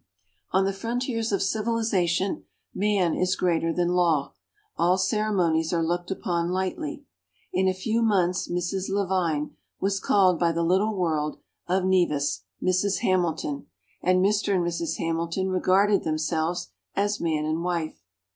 On the frontiers of civilization man is greater than law all ceremonies are looked upon lightly. In a few months Mrs. Lavine was called by the little world of Nevis, Mrs. Hamilton, and Mr. and Mrs. Hamilton regarded themselves as man and wife.